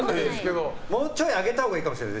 もうちょい上げたほうがいいかもしれない。